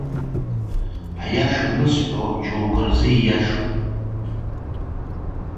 Аиаша анысҳәо џьоукы рзы иашоуп.